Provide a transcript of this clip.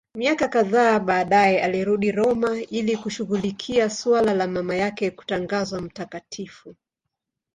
Miaka kadhaa baadaye alirudi Roma ili kushughulikia suala la mama yake kutangazwa mtakatifu.